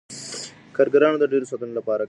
کارګرانو د ډیرو ساعتونو لپاره کار کاوه.